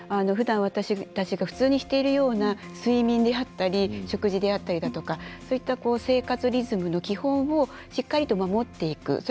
ふだん、私たちが普通にしているような睡眠であったり食事であったりだとかそういった生活リズムの基本をしっかりと守っていく。